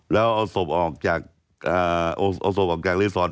แล้วเอาศพออกจากรีสอร์ต